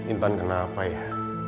intan kenapa ya